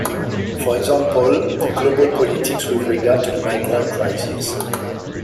For example- glocal politics with regard to the migrant crisis.